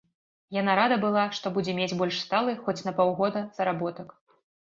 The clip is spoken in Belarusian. Яна рада была, што будзе мець больш сталы, хоць на паўгода, заработак.